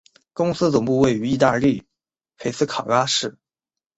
公司总部位于意大利佩斯卡拉市。